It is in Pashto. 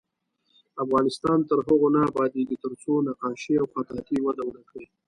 افغانستان تر هغو نه ابادیږي، ترڅو نقاشي او خطاطي وده ونه کړي.